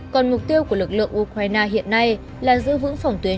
còn mục tiêu của lực lượng ukraine hiện nay là giữ vững phòng tuyến